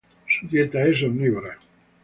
Su dieta es omnívora.